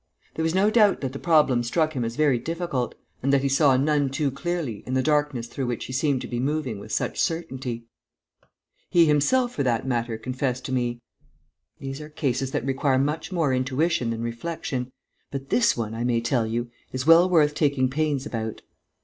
There was no doubt that the problem struck him as very difficult, and that he saw none too clearly in the darkness through which he seemed to be moving with such certainty. He himself, for that matter, confessed to me: "These are cases that require much more intuition than reflection. But this one, I may tell you, is well worth taking pains about."